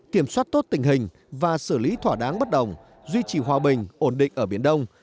kiểm soát tốt tình hình và xử lý thỏa đáng bất đồng duy trì hòa bình ổn định ở biển đông